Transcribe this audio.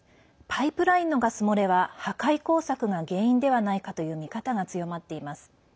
パイプラインのガス漏れは破壊工作が原因ではないかという見方が強まっています。